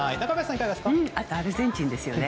アルゼンチンですよね。